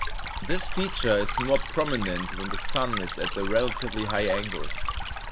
This feature is more prominent when the Sun is at a relatively high angle.